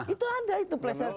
itu ada itu plesetan